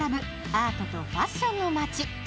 アートとファッションの街。